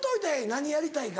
何やりたいか。